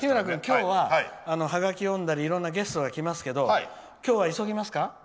今日はハガキを読んだりいろんなゲストが来ますけど今日は急ぎますか？